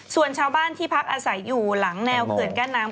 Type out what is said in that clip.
ส่วนชาวบ้านที่พักอาศัยอยู่หลังแนวเขื่อนกั้นน้ำ